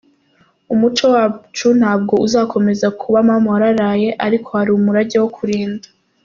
Umuco wacu ntabwo uzakomeza kuba mama wararaye, ariko hari umurage wo kurinda….